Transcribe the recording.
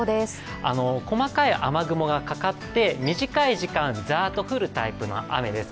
細かい雨雲がかかって、短い時間ざーっと降るタイプの雨です。